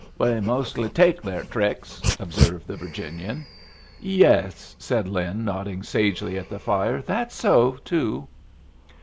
"We mostly take their tricks," observed the Virginian. "Yes," said Lin, nodding sagely at the fire, "that's so, too."